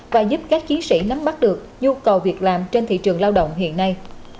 và giúp các chiến sĩ nắm bắt được nhu cầu việc làm trên thị trường lao động hiện nay